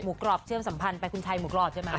กรอบเชื่อมสัมพันธ์ไปคุณชัยหมูกรอบใช่ไหม